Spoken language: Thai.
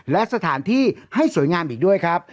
และสถานที่ให้สวยงามอีกด้วยครับ